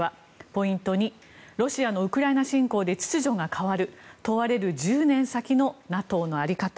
ポイント２ロシアのウクライナ侵攻で秩序が変わる問われる１０年先のＮＡＴＯの在り方。